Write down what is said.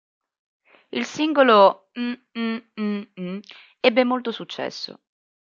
Il singolo "Mmm Mmm Mmm Mmm" ebbe molto successo.